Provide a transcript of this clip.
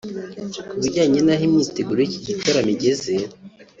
Ku bijyanye n’aho imyiteguro y’iki gitaramo igeze